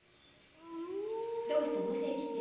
どうしたの清吉？